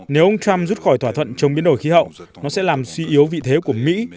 nếu ông trump rút khỏi thỏa thuận chống biến đổi khí hậu nó sẽ làm suy yếu vị thế của mỹ